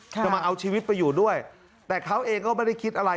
จะมาเอาชีวิตไปอยู่ด้วยแต่เขาเองก็ไม่ได้คิดอะไร